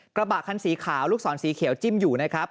กระบะคันสีขาวลูกศรสีเขียวจิ้มอยู่นะครับ